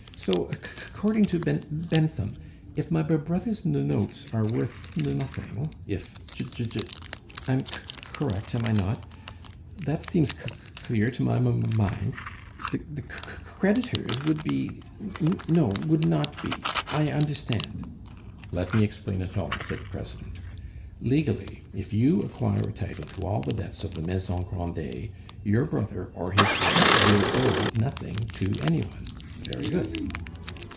"So, ac c cording to Ben Bentham, if my b b brother's n notes are worth n n nothing; if Je Je I'm c c correct, am I not? That seems c c clear to my m m mind the c c creditors would be No, would not be; I understand." "Let me explain it all," said the president. "Legally, if you acquire a title to all the debts of the Maison Grandet, your brother or his heirs will owe nothing to any one. Very good."